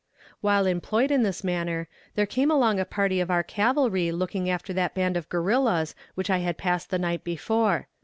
While employed in this manner, there came along a party of our cavalry looking after that band of guerrillas which I had passed the night before.